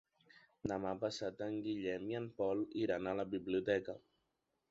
Demà passat en Guillem i en Pol iran a la biblioteca.